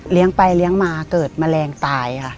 ไปเลี้ยงมาเกิดแมลงตายค่ะ